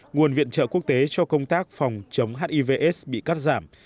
nguồn viện trợ quốc tế cho công tác phòng chống hiv aids bị cắt giảm